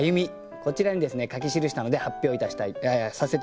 こちらにですね書き記したので発表させて頂きたいと思います。